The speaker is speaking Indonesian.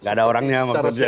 nggak ada orangnya maksudnya